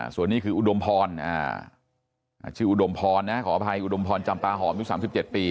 ส่วนนี้อุดมพรขออภัยอุดมพรจำตาหอมผู้สามสิบเจ็ดปี่